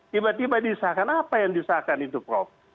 tiba tiba disahkan apa yang disahkan itu prof